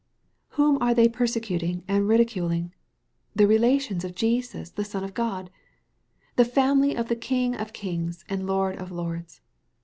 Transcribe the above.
Whom are they persecuting and lidiculing ? The relations of Jesus the Son of God ! The family of the King of kings and Lord of lords